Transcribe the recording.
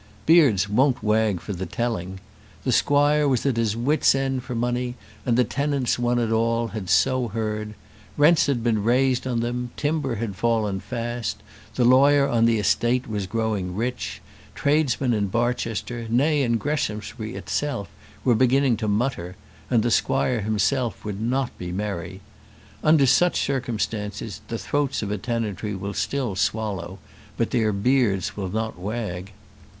Beards won't wag for the telling. The squire was at his wits' end for money, and the tenants one and all had so heard. Rents had been raised on them; timber had fallen fast; the lawyer on the estate was growing rich; tradesmen in Barchester, nay, in Greshamsbury itself, were beginning to mutter; and the squire himself would not be merry. Under such circumstances the throats of a tenantry will still swallow, but their beards will not wag.